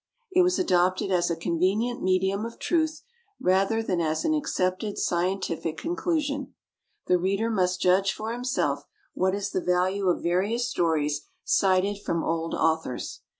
It was adopted as a convenient medium of truth rather than as an accepted scientific conclusion. The reader must judge for himself what is the value of various stories cited from old authors.